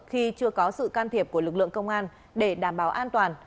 khi chưa có sự can thiệp của lực lượng công an để đảm bảo an toàn